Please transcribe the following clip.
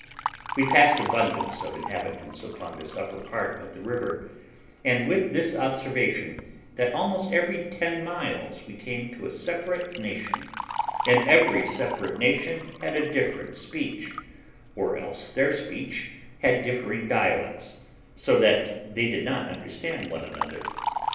We passed abundance of inhabitants upon this upper part of the river, and with this observation, that almost every ten miles we came to a separate nation, and every separate nation had a different speech, or else their speech had differing dialects, so that they did not understand one another.